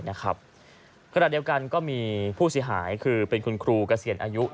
ขนาดเดียวกันก็มีผู้เสียหายคือคุณครูกระเซียนอายุ